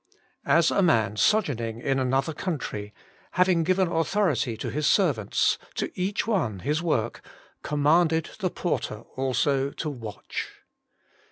As a man sojourning in another country, having given authority to his servants, to each one his zi'ork, commanded the porter also to watch."